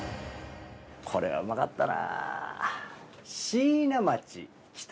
これはうまかったな。